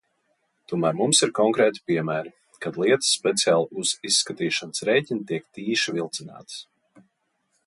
Tomēr mums ir konkrēti piemēri, kad lietas speciāli uz izskatīšanas rēķina tiek tīši vilcinātas.